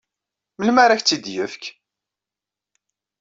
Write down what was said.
Melmi ara ak-tt-id-yefk?